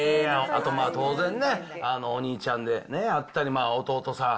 あとまあ当然ね、お兄ちゃんであったり、弟さん。